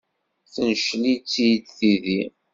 Tencel-itt-id tidi.